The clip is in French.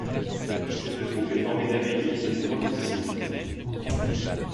Cette troupe est formée d'Amélie et de trois musiciens.